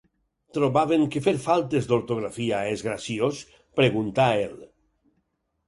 Trobaven que fer faltes d'ortografia és graciós? —preguntà el